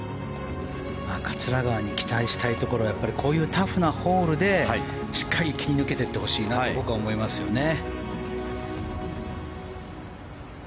桂川に期待したいところはこういうタフなホールでしっかり切り抜けていってほしいなと僕は思いますよね。